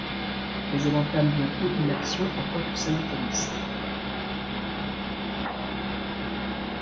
Mais elle entame bientôt une action en tant que syndicaliste.